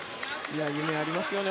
夢がありますね。